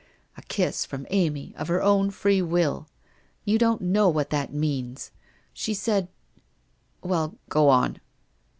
A kiss from Amy of her own free will! You don't know what that means ! She said Well, go on.'